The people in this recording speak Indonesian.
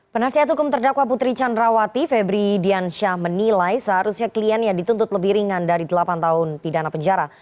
penasihat hukum terdakwa putri candrawati febri diansyah menilai seharusnya kliennya dituntut lebih ringan dari delapan tahun pidana penjara